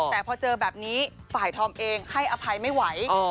แต่พอเจอแบบนี้ฝ่ายธอมเองให้อภัยไม่ไหว